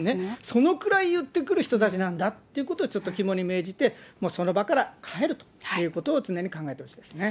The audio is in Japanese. そのくらい言ってくる人たちなんだっていうことをちょっと肝に銘じて、その場から帰るということを常に考えてほしいですね。